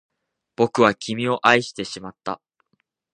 僕は君を愛してしまった